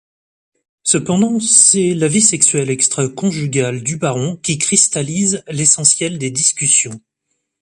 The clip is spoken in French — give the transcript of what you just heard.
Cependant, c'est la vie sexuelle extraconjugale du baron qui cristallise l'essentiel des discussions.